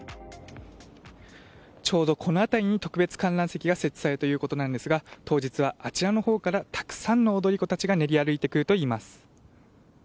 ちょうど、この辺りに特別観覧席が設置されるということなのですが当日はあちらのほうからたくさんの踊り子たちが練り歩いてくるということです。